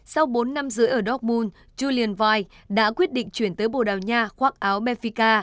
sau bốn năm rưỡi ở dortmund julian vai đã quyết định chuyển tới bồ đào nha khoác áo memphis